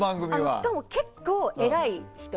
しかも、結構偉い人。